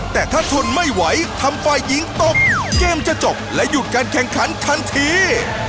แต่ถ้าทนไม่ไหวทำฝ่ายหญิงตกเกมจะจบและหยุดการแข่งขันทันที